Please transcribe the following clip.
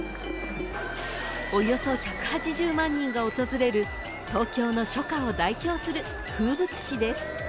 ［およそ１８０万人が訪れる東京の初夏を代表する風物詩です］